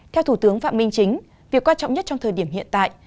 theo thủ tướng phạm minh chính việc quan trọng nhất trong thời điểm hiện tại